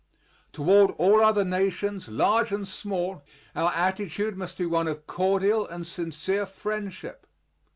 Toward all other nations, large and small, our attitude must be one of cordial and sincere friendship.